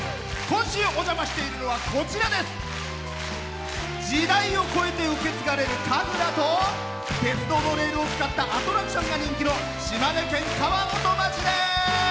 今週お邪魔しているのは時代を越えて受け継がれる神楽と鉄道のレールを使ったアトラクションが人気の島根県川本町です。